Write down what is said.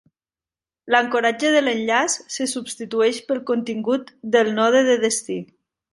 L'ancoratge de l'enllaç se substitueix pel contingut del node de destí.